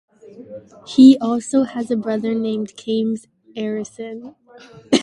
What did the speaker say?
He also has a brother named Kames Arison.